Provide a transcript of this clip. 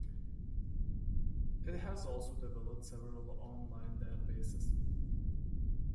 It has also developed several on-line databases.